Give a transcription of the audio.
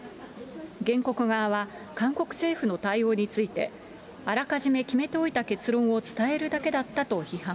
原告側は、韓国政府の対応について、あらかじめ決めておいた結論を伝えるだけだったと批判。